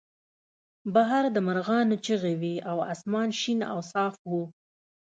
بهر د مرغانو چغې وې او اسمان شین او صاف و